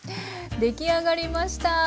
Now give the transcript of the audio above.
出来上がりました！